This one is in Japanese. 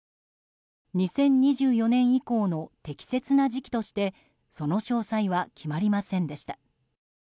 ２０２４年以降の適切な時期としてその詳細は決まりませんでした。